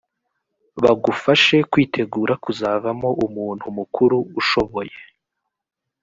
bagufashe kwitegura kuzavamo umuntu mukuru ushoboye